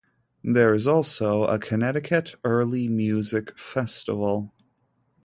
There is also a Connecticut Early Music Festival.